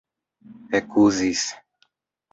ekuzis